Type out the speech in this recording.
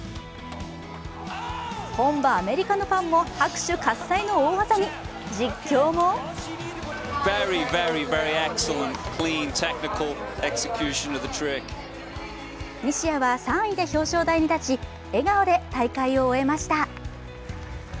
本場アメリカのファンも拍手喝采の大技に実況も西矢は３位で表彰台に立ち笑顔で大会を終えました。